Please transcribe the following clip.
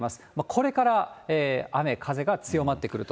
これから雨、風が強まってくると。